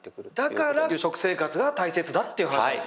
だから食生活が大切だっていう話なんですね。